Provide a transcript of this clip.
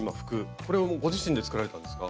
これもご自身で作られたんですか？